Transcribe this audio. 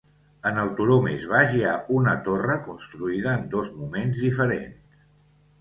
En el turó més baix hi ha una torre construïda en dos moments diferents.